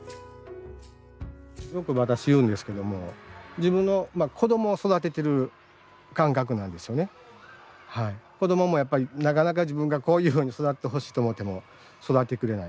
よく私言うんですけども子どももやっぱりなかなか自分がこういうふうに育ってほしいと思っても育ってくれない。